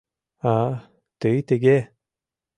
— А-а, тый тыге!..